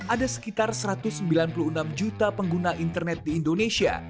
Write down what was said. ada sekitar satu ratus sembilan puluh enam juta pengguna internet di indonesia